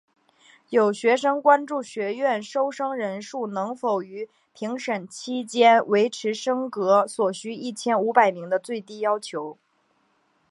有学生关注学院收生人数能否于评审期间维持升格所需一千五百名的最低要求。